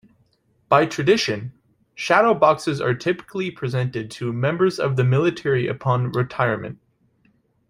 By tradition, shadow boxes are typically presented to members of the military upon retirement.